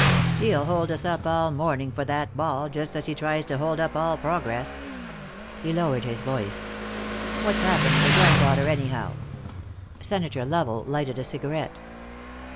"He'll hold us up all morning, for that ball, just as he tries to hold up all progress." He lowered his voice. "What's happened to the granddaughter, anyhow?" Senator Lovell lighted a cigarette.